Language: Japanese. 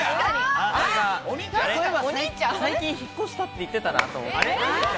最近引っ越したって言ってたなと思って。